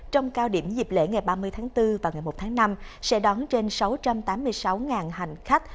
trong cao điểm dịp lễ ngày ba mươi tháng bốn và ngày một tháng năm sẽ đón trên sáu trăm tám mươi sáu hành khách